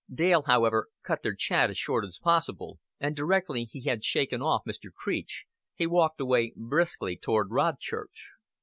Dale, however, cut their chat as short as possible, and directly he had shaken off Mr. Creech he walked away briskly toward Rodchurch.